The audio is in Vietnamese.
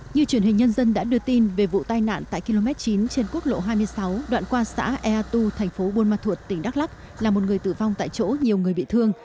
như truyền hình nhân dân đã đưa tin về vụ tai nạn tại km chín trên quốc lộ hai mươi sáu đoạn qua xã ea tu thành phố buôn ma thuột tỉnh đắk lắc là một người tử vong tại chỗ nhiều người bị thương